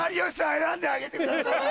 選んであげてください。